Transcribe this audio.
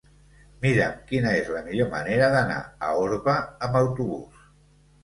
Mira'm quina és la millor manera d'anar a Orba amb autobús.